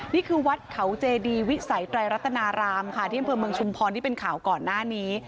นี่คือวัดเขาเจดีวิสัยไตรรัตนารามที่เป็นข่าวก่อนหน้านี้